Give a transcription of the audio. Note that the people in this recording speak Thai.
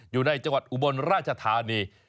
อยู่ในจังหวัดอุบลราชธานี